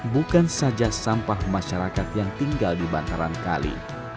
bukan saja sampah masyarakat yang tinggal di bantaran kali